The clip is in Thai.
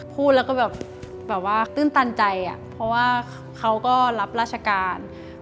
พูดแล้วก็แบบว่าตื้นตันใจเพราะว่าเขาก็รับราชการ